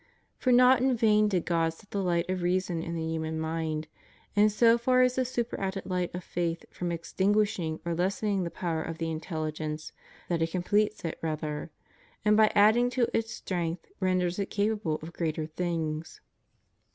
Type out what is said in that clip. For not in vain did God set the light of reason in the human mind; and so far is the superadded light of faith from extinguishing or lessening the power of the intelligence that it completes it rather, and by adding to its strength renders it capable of greater things.